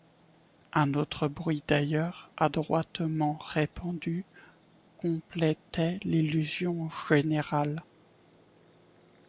Un autre bruit d'ailleurs, adroitement répandu, complétait l'illusion générale.